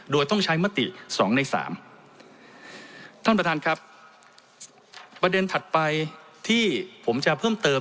โดยต้องใช้มติสองในสามท่านประธานครับประเด็นถัดไปที่ผมจะเพิ่มเติม